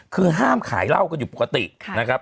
คือห้ามขายเหล้ากันอยู่ปกตินะครับ